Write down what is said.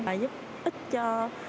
và giúp ích cho